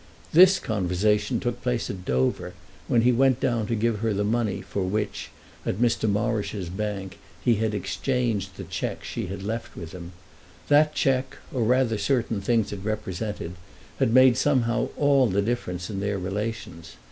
This conversation took place at Dover, when he went down to give her the money for which, at Mr. Morrish's bank, he had exchanged the cheque she had left with him. That cheque, or rather certain things it represented, had made somehow all the difference in their relations.